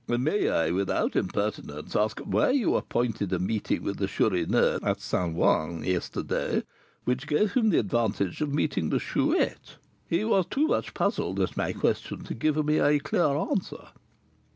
"May I, without impertinence, ask why you appointed a meeting with the Chourineur at St. Ouen yesterday, which gave him the advantage of meeting the Chouette? He was too much puzzled at my question to give me a clear answer."